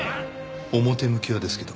表向きはですけど。